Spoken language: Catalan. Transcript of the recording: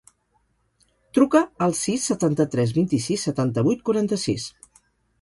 Truca al sis, setanta-tres, vint-i-sis, setanta-vuit, quaranta-sis.